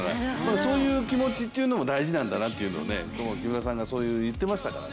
そういう気持ちっていうのも大事なんだなっていうのを木村さんが言ってましたから。